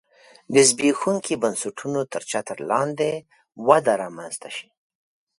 د زبېښونکو بنسټونو تر چتر لاندې وده رامنځته شي